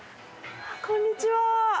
こんにちは。